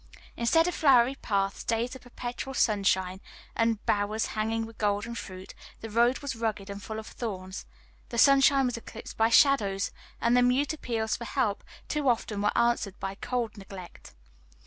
Instead of flowery paths, days of perpetual sunshine, and bowers hanging with golden fruit, the road was rugged and full of thorns, the sunshine was eclipsed by shadows, and the mute appeals for help too often were answered by cold neglect.